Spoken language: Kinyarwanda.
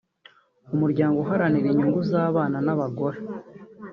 umuryango uharanira inyungu z’abana n’abagore